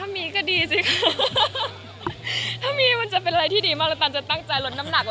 มีก็ดีสิคะถ้ามีมันจะเป็นอะไรที่ดีมากแล้วตันจะตั้งใจลดน้ำหนัก